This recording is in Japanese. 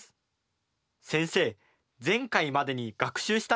先生前回までに学習した内容ですよね。